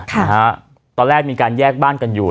ตอนแรกมีการแยกบ้านกันอยู่